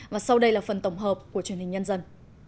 và sau đây là phần tổng hợp của truyền hình nhân dân